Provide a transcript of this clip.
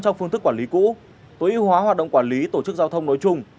trong phương thức quản lý cũ tối ưu hóa hoạt động quản lý tổ chức giao thông nói chung